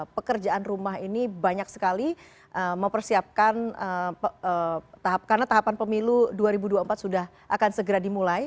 pekerjaan rumah ini banyak sekali mempersiapkan karena tahapan pemilu dua ribu dua puluh empat sudah akan segera dimulai